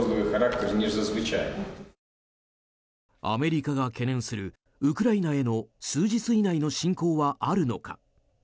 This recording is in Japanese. アメリカが懸念するウクライナへの数日以内の侵攻はあるのか。